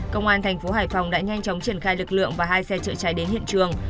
công an thành phố hải phòng đã nhanh chóng triển khai lực lượng và hai xe chữa cháy đến hiện trường